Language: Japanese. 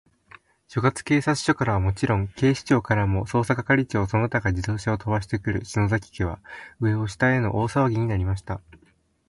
所轄警察署からはもちろん、警視庁からも、捜査係長その他が自動車をとばしてくる、篠崎家は、上を下への大さわぎになりました。